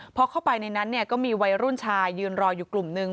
พอเข้าไปในนั้นก็มีวัยรุ่นชายยืนรออยู่กลุ่มนึง